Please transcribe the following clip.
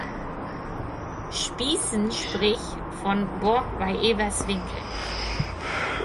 Spießen sprich von „Borg bei Everswinkel“.